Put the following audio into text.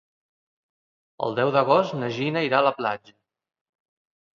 El deu d'agost na Gina irà a la platja.